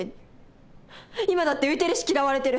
今だって浮いてるし嫌われてる。